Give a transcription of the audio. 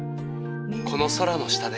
この空の下で。